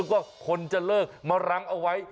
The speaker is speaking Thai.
โอโหว่าคนจะเลิกมารางเอาไว้